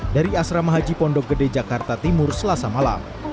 dari asrama haji pondok gede jakarta timur selasa malam